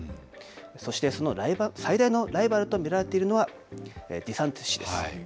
そしてその最大のライバルと見られているのがデサンティス氏です。